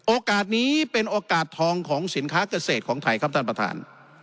โอกาสนี้เป็นโอกาสทองของสินค้าเกษตรของไทยครับท่านประธาน